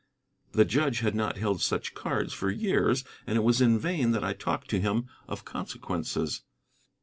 The judge had not held such cards for years, and it was in vain that I talked to him of consequences.